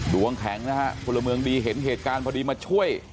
ดวงแข็งนะฮะพลเมืองดีเห็นเหตุการณ์พอดีมาช่วย